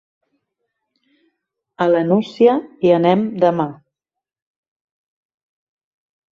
A la Nucia hi anem demà.